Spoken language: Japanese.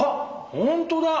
ほんとだ！